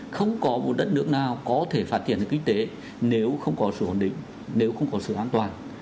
không có một đất nước nào có thể phát triển được kinh tế nếu không có sự ổn định nếu không có sự an toàn